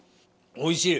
おいしい。